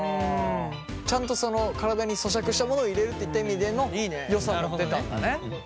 ちゃんとその体に咀嚼したものを入れるっていった意味でのよさも出たんだね。